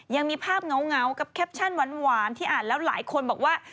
ยังมีภาพเหงากับแคปชั่นหวานที่อ่านแล้วหลายคนบอกว่า